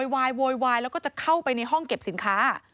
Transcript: วายโวยวายแล้วก็จะเข้าไปในห้องเก็บสินค้า